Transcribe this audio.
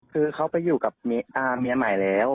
คือเขาไปอยู่กับเมียใหม่แล้ว